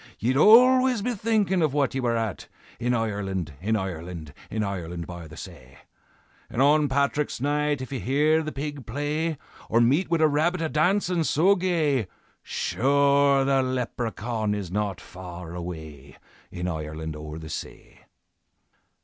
Ye'd always be thinkin' of what ye were at, In Ireland, in Ireland, In Ireland by the say. And on Patrick's Night if ye hear the pig play, Or meet wid a rabbit a dancin' so gay, Sure the Leprechaun is not far away, In Ireland o'er the say."